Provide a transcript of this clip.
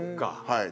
はい。